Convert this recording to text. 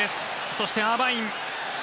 そしてアーバイン。